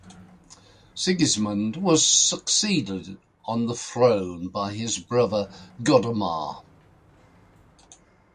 Sigismund was succeeded on the throne by his brother Godomar.